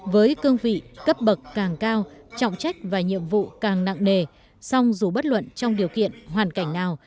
với cương vị cấp bậc càng cao trọng trách và nhiệm vụ càng nặng nề song dù bất luận trong điều kiện hoàn cảnh nào